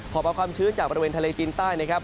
อบเอาความชื้นจากบริเวณทะเลจีนใต้นะครับ